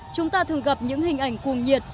chúng ta thường gặp những hình ảnh cuồng nhiệt